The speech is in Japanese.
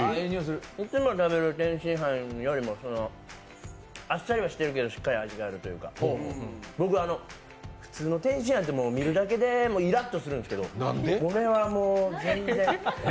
いつも食べる天津飯よりもあっさりはしてるけどしっかり味があるというか、僕、普通の天津飯って見るだけでイラッとするんですけどこれはもう全然。